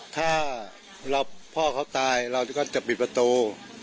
ถ้าพ่อเขาตายเราก็จะปิดประตู